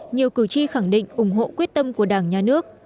nhiều cử tri khẳng định ủng hộ quyết tâm của đảng nhà nước